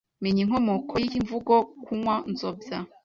Menya inkomoko y’imvugo ‘Kunywa Nzobya’